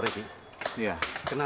aku tidak mau